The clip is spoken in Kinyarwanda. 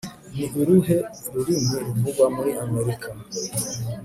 ni uruhe rurimi ruvugwa muri amerika